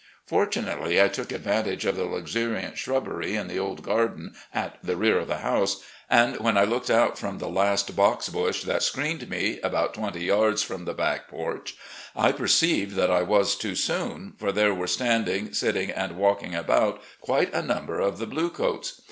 Fortunately, I took advantage of the luxuriant shrubbery in the old garden at the rear of the house, and when I looked out from the last box bush that screened me, about twenty yards from the back porch, I perceived that I was too soon, for there were standing, sitting and walking about quite a number of the bluecoats.